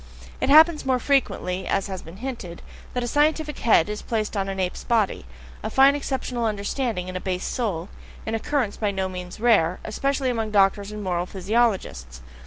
It happens more frequently, as has been hinted, that a scientific head is placed on an ape's body, a fine exceptional understanding in a base soul, an occurrence by no means rare, especially among doctors and moral physiologists.